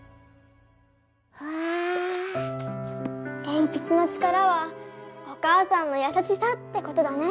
えんぴつの力はお母さんのやさしさってことだね。